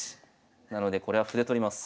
なのでこれは歩で取ります。